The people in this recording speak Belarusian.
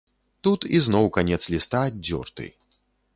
Тут ізноў канец ліста аддзёрты.